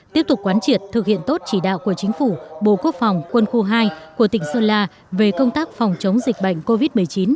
tiếp tục quán triệt thực hiện tốt chỉ đạo của chính phủ bộ quốc phòng quân khu hai của tỉnh sơn la về công tác phòng chống dịch bệnh covid một mươi chín